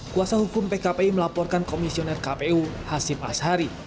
kuasa hukum pkpi melaporkan komisioner kpu hasim ashari